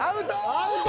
アウト！